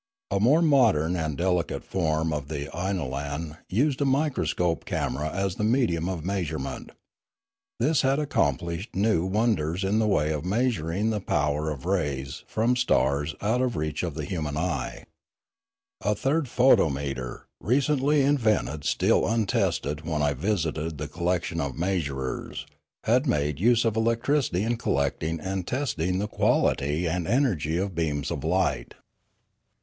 A more modern and delicate form of the inolan used a microscopic camera as the medium of measurement; this had accomplished new wonders in the way of measuring the power of rays from stars out of reach of the human eye. A third photometer, recently invented and still untested when I visited the collection of measurers, had made use of electricity in collecting and testing the quality and energy of beams of light.